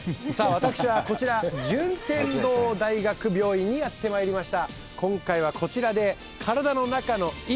私はこちら順天堂大学病院にやって参りました